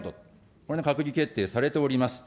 これの閣議決定されております。